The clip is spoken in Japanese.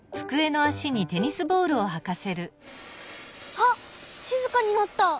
あっしずかになった！